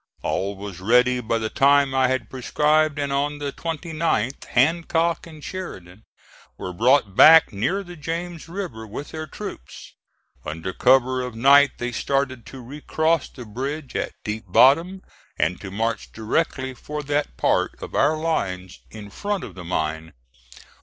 All was ready by the time I had prescribed; and on the 29th Hancock and Sheridan were brought back near the James River with their troops. Under cover of night they started to recross the bridge at Deep Bottom, and to march directly for that part of our lines in front of the mine.